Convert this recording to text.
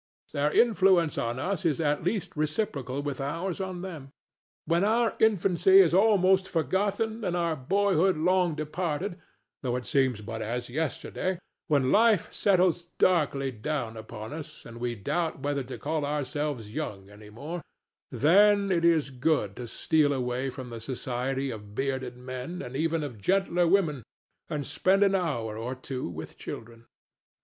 Their influence on us is at least reciprocal with ours on them. When our infancy is almost forgotten and our boyhood long departed, though it seems but as yesterday, when life settles darkly down upon us and we doubt whether to call ourselves young any more,—then it is good to steal away from the society of bearded men, and even of gentler woman, and spend an hour or two with children.